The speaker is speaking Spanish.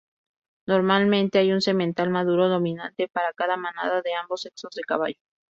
Normalmente hay un semental maduro dominante para cada manada de ambos sexos de caballos.